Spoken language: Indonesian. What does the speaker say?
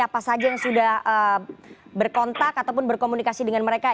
apa saja yang sudah berkontak ataupun berkomunikasi dengan mereka